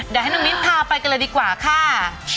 เดี๋ยวให้น้องนิดพาไปกันเลยดีกว่าค่ะ